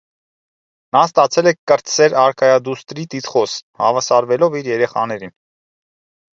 Նա ստացել է «կրտսեր» արքայադուստրի տիտղոս, հավասարվելով իր երեխաներին։